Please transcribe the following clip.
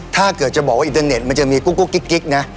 ถ้าเกิดจะบอกว่าอินเทอร์เน็ตมันจะมีกุ๊กกิ๊กนะ